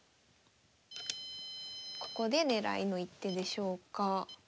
ここで狙いの一手でしょうか。